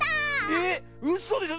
ええっうそでしょ